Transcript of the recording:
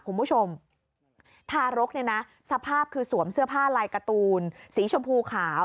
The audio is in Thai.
คุณผู้ชมทารกเนี่ยนะสภาพคือสวมเสื้อผ้าลายการ์ตูนสีชมพูขาว